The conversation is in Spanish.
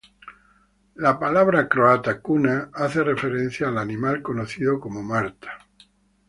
La palabra croata "kuna" hace referencia al animal conocido como marta.